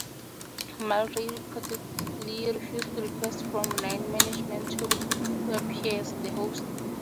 Mulray reportedly refused requests from Nine management to reappear as the host.